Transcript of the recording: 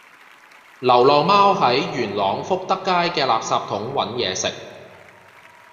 流浪貓喺元朗福德街嘅垃圾桶搵野食